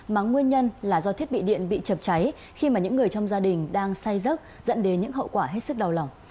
mà nguyên nhân là do thiết bị điện bị chập cháy khi mà những người trong gia đình đang say dốc dẫn đến những hậu quả hết sức đau lòng